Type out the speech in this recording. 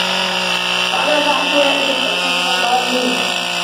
قالَ فَعَلتُها إِذًا وَأَنا مِنَ الضّالّينَ